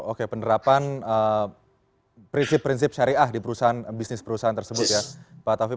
oke penerapan prinsip prinsip syariah di perusahaan bisnis perusahaan tersebut ya pak taufik